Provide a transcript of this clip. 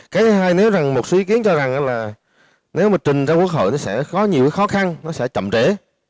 cái thứ hai nếu rằng một số ý kiến cho rằng là nếu mà trình ra quốc hội nó sẽ có nhiều khó khăn nó sẽ chậm trễ